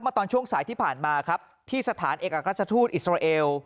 ตอนช่วงสายที่ผ่านมาครับที่สถานเอกราชทูตอิสราเอล